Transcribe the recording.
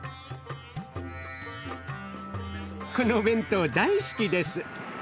このお弁当大好きです。